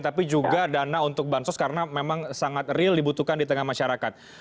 tapi juga dana untuk bansos karena memang sangat real dibutuhkan di tengah masyarakat